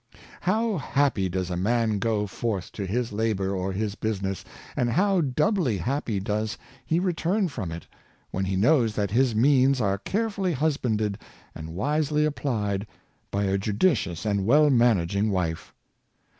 How happy does a man go forth to his labor or his business, and how doubly happy does he return from it, when he knows that his means are carefully husbanded and wisely applied by a judicious and well managing wife!